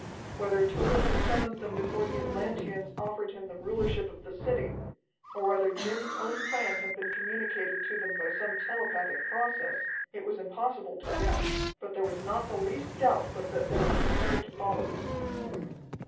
Whether Tode had summoned them before the Atlanteans offered him the rulership of the city, or whether Jim's own plan had been communicated to them by some telepathic process, it was impossible to guess, but there was not the least doubt but that they were prepared to follow him.